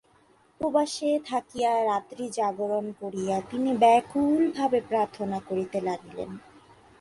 উপবাসে থাকিয়া রাত্রিজাগরণ করিয়া তিনি ব্যাকুল ভাবে প্রার্থনা করিতে লাগিলেন।